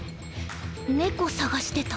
猫捜してた。